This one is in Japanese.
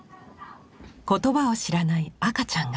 言葉を知らない赤ちゃんが。